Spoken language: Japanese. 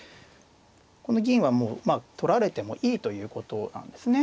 この銀はもう取られてもいいということなんですね。